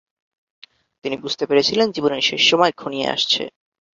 তিনি বুঝতে পেরেছিলেন জীবনের শেষ সময় ঘনিয়ে আসছে।